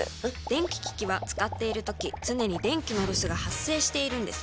電気機器は使っているとき常に電気のロスが発生しているのです。